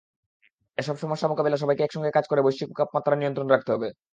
এসব সমস্যা মোকাবিলায় সবাইকে একসঙ্গে কাজ করে বৈশ্বিক তাপমাত্রা নিয়ন্ত্রণে রাখতে হবে।